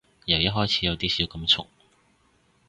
由一開始有啲小感觸